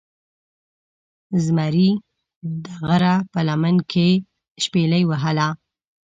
زمرې دغره په لمن کې شپیلۍ وهله